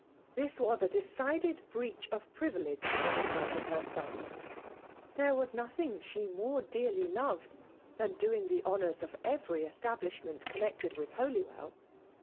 This was a decided breach of privilege on the part of her won ! There was wMng abe toato dcaily loved than doing tlie henourtf t>f ^rerj eatMxiihment conitected with Holywell.